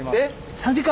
３時間！？